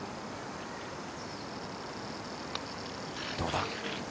どうだ？